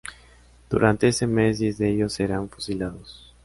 Durante ese mes, diez de ellos serán fusilados.